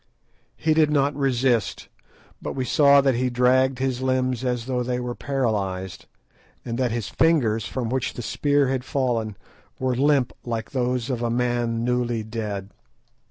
He did not resist, but we saw that he dragged his limbs as though they were paralysed, and that his fingers, from which the spear had fallen, were limp like those of a man newly dead.